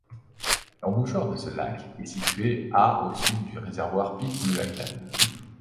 L’embouchure de ce lac est située à au Sud du réservoir Pipmuacan.